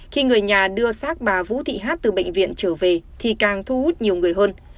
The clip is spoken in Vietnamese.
khi người nhà đưa xác bà vũ thị hát từ bệnh viện trở về thì càng thu hút nhiều người hơn